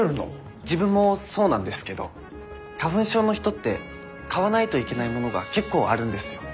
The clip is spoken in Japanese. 自分もそうなんですけど花粉症の人って買わないといけないものが結構あるんですよ。